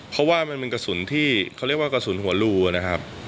เพราะว่ามันเป็นกระสุนที่เขาเรียกว่ากระสุนหัวรูนะครับ